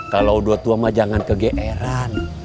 kalau dua tua mah jangan kegeeran